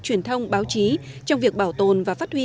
truyền thông báo chí trong việc bảo tồn và phát huy